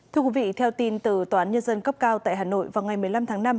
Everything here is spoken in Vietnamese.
thưa quý vị theo tin từ tòa án nhân dân cấp cao tại hà nội vào ngày một mươi năm tháng năm